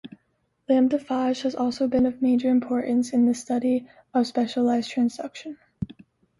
Lambda phage has also been of major importance in the study of specialized transduction.